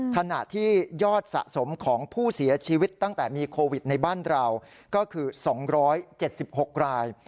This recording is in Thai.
ขณะที่ยอดสะสมของผู้เสียชีวิตตั้งแต่มีโควิดในบ้านเราก็คือ๒๗๖ราย